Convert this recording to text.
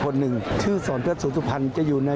พ่อป่วยหนักครั้งนี้ก็พ่อคิดว่าไม่น่าจะถึง